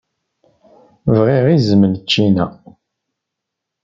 Bɣiɣ iẓem n ččina.